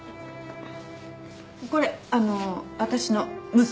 これあの私の娘。